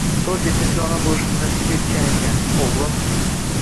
to'rt yetimga ona bo'lishni nasib etgan ekan, o'g'lim.